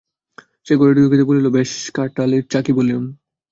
সে ঘরে ঢুকিতে ঢুকিতে বলিল, বেশ কঁঠালের চাকি-বেলুন।